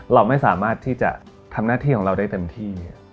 เราไม่สามารถที่จะทำหน้าที่ของเราได้เต็มที่